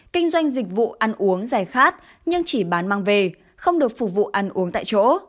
kinh doanh dịch vụ ăn uống giải khát nhưng chỉ bán mang về không được phục vụ ăn uống tại chỗ